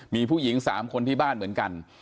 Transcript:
มีผู้หญิง๓คนที่บ้านเหมือนกัน